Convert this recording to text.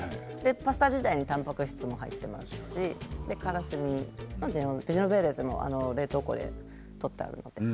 パスタ自体にたんぱく質も入っていますしジェノベーゼも冷凍庫でとってあるので。